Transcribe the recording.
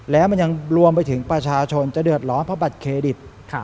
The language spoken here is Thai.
แล้วมันยังรวมไปถึงประชาชนจะเดือดร้อนเพราะบัตรเครดิต